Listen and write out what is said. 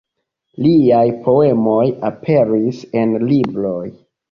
Liaj poemoj aperis en libroj.